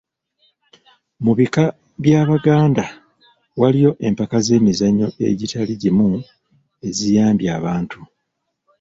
Mu Bika by'Abaganda waliyo empaka z'emizannyo egitali gimu eziyambye abantu.